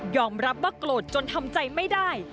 รับว่าโกรธจนทำใจไม่ได้